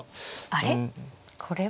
あれ？